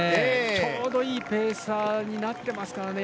ちょうどいいペーサーになっていますからね。